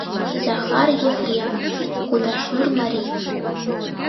— Захар Ефремов, Кудашнур марий...